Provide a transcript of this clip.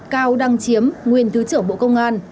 cao đăng chiếm nguyên thứ trưởng bộ công an